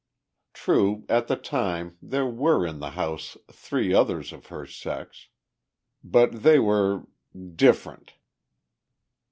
True, at the time there were in the house three others of her sex. But they were ... different.